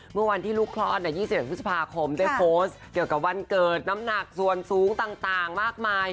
เมื่อวันที่ลูกคลอด๒๑พฤษภาคมได้โพสต์เกี่ยวกับวันเกิดน้ำหนักส่วนสูงต่างมากมาย